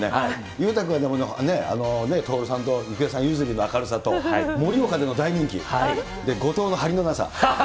裕太君は、でもね、徹さんと郁恵さん譲りの明るさと、盛岡での大人気、後藤の張りのなさ。